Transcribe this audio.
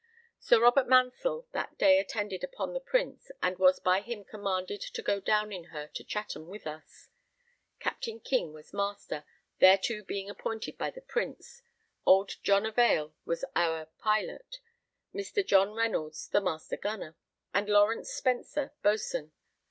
Sir Robert Mansell that day attended upon the Prince, and was by him commanded to go down in her to Chatham with us. Captain King was master, thereto being appointed by the Prince, old John a Vale was our pilot, Mr. John Reynolds the master gunner, and Lawrence Spencer, boatswain.